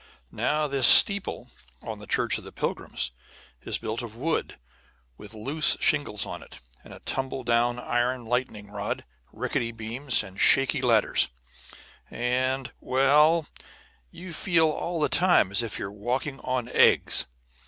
Now, this steeple on the Church of the Pilgrims is built of wood, with loose shingles on it, and a tumble down iron lightning rod, and rickety beams, and shaky ladders, and well, you feel all the time as if you were walking on eggs.